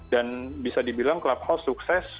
dan bisa dibilang clubhouse sukses